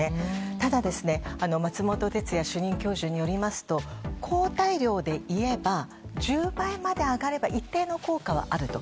ただ、松本哲哉主任教授によりますと抗体量でいえば１０倍まで上がれば一定の効果はあると。